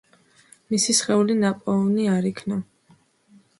მისი სხეული ნაპოვნი არ იქნა.